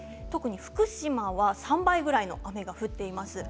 福島は３倍ぐらい雨が降っています。